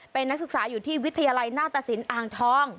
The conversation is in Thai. เป็นนักศึกษาอยู่ที่วิทยาลัยหน้าตสินอ่างทอง